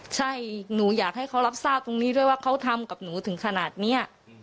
ใช่หนูอยากให้เขารับทราบตรงนี้ด้วยว่าเขาทำกับหนูถึงขนาดนี้